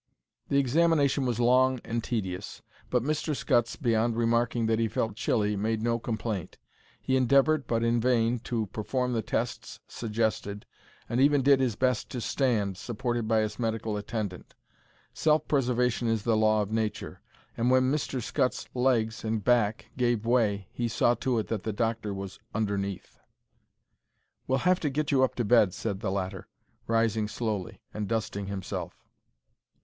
The examination was long and tedious, but Mr. Scutts, beyond remarking that he felt chilly, made no complaint. He endeavoured, but in vain, to perform the tests suggested, and even did his best to stand, supported by his medical attendant. Self preservation is the law of Nature, and when Mr. Scutts's legs and back gave way he saw to it that the doctor was underneath. "We'll have to get you up to bed," said the latter, rising slowly and dusting himself.